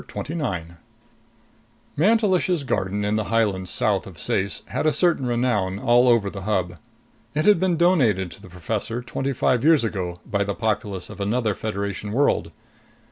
"You aren't hurt?" 29 Mantelish's garden in the highland south of Ceyce had a certain renown all over the Hub. It had been donated to the professor twenty five years ago by the populace of another Federation world.